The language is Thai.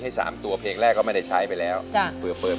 ให้สามตัวเพลงแรกเขาไม่ได้ใช้ไปแล้วจ้ะเผลอเผลอ